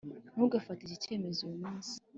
ntugafate iki cyemezo uyu munsi.